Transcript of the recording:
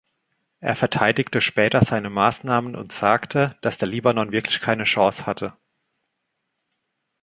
Er verteidigte später seine Maßnahmen und sagte, dass der Libanon wirklich keine Chance hatte.